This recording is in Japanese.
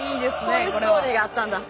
こういうストーリーがあったんだ。